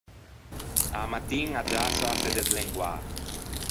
A-a mattin a giassa a s’é deslenguâ.